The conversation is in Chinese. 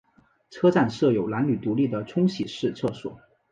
车站设有男女独立的冲洗式厕所。